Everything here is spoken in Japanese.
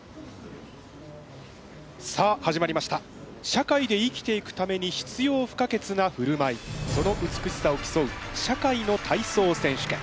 社会で生きていくために必要不可欠なふるまいその美しさを競う社会の体操選手権。